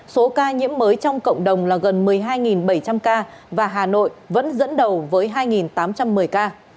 số ca nhiễm mới trong cộng đồng là gần một mươi hai bảy trăm linh ca và hà nội vẫn dẫn đầu với hai tám trăm một mươi ca